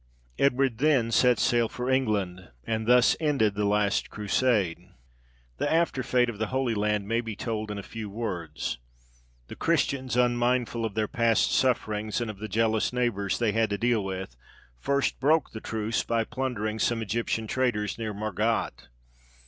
Edward then set sail for England; and thus ended the last Crusade. The after fate of the Holy Land may be told in a few words. The Christians, unmindful of their past sufferings and of the jealous neighbours they had to deal with, first broke the truce by plundering some Egyptian traders near Margat.